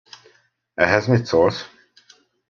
Ehhez mit szólsz?